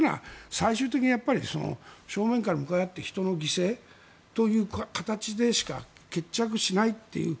最終的に正面から向かい合って人の犠牲という形でしか決着しないという。